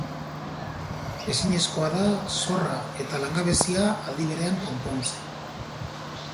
Ezinezkoa da zorra eta langabezia aldi berean konpontzea.